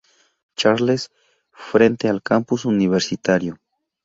Charles, frente al campus universitario.